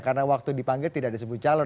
karena waktu dipanggil tidak disebut calon